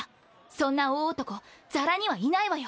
そんな大男ざらにはいないわよ。